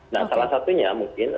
nah salah satunya mungkin